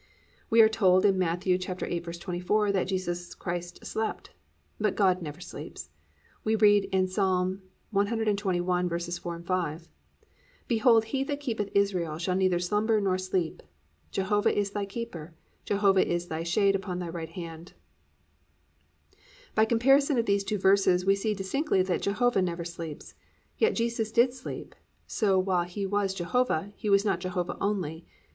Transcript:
"+ We are told in Matt. 8:24 that Jesus Christ slept. But God never sleeps. We read in Ps. 121:4, 5, +"Behold he that keepeth Israel shall neither slumber nor sleep. Jehovah is thy keeper: Jehovah is thy shade upon thy right hand."+ By comparison of these two verses, we see distinctly that Jehovah never sleeps. Yet Jesus did sleep, so while He was Jehovah, He was not Jehovah only.